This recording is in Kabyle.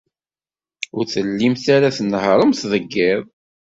Ur tellimt ara tnehhṛemt deg yiḍ.